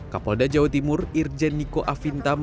kapolda jawa timur irjen niko afintam